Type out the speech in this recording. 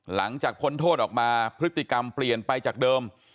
พ้นโทษออกมาพฤติกรรมเปลี่ยนไปจากเดิม